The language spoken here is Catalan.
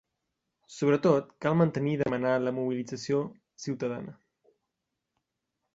Sobretot, cal mantenir i demanar la mobilització ciutadana.